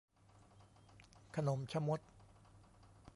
ขนมชะมด